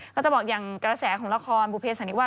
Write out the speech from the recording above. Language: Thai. ก็จะบอกอย่างกระแสของละครบุเภสันนิวา